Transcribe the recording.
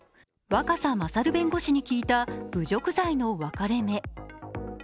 若狭勝弁護士に聞いた侮辱罪の分かれ目。